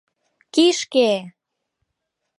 — Кишке!